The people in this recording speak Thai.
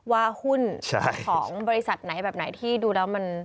ว่าหุ้นของบริษัทไหนแบบไหนที่ดูแล้วมัน